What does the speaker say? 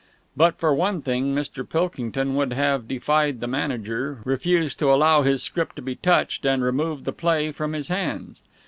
But for one thing Mr. Pilkington would have defied the manager, refused to allow his script to be touched, and removed the play from his hands.